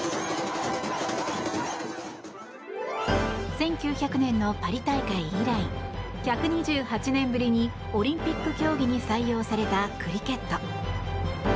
１９００年のパリ大会以来１２８年ぶりにオリンピック競技に採用されたクリケット。